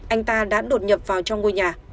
anh ta đã đột nhập vào trong ngôi nhà